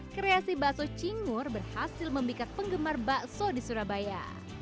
kreasi bakso cingur berhasil memikat penggemar bakso di surabaya